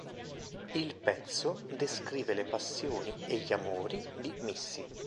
Il pezzo descrive le passioni e gli amori di Missy.